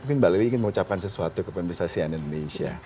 mungkin mbak lewi ingin mengucapkan sesuatu ke pemirsa sian indonesia